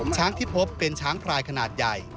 ช้างที่พบเป็นช้างพลายขนาดใหญ่